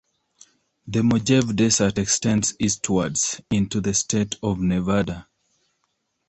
The Mojave Desert extends Eastward into the State of Nevada.